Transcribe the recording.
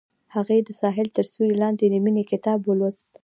هغې د ساحل تر سیوري لاندې د مینې کتاب ولوست.